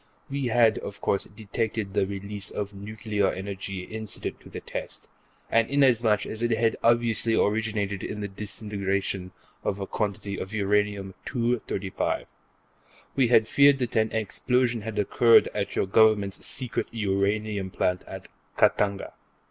We had, of course, detected the release of nuclear energy incident to the test, and inasmuch as it had obviously originated in the disintegration of a quantity of Uranium 235, we had feared that an explosion had occurred at your Government's secret uranium plant at Khatanga.